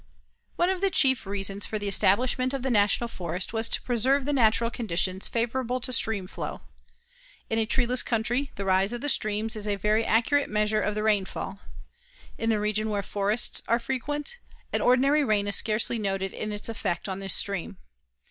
One of the chief reasons for the establishment of the National Forest was to preserve the natural conditions favorable to stream flow. In a treeless country, the rise of the streams is a very accurate measure of the rainfall. In the region where forests are frequent, an ordinary rain is scarcely noticed in its effect on the stream.